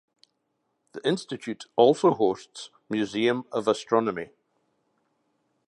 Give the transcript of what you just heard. The Institute also hosts Museum of Astronomy.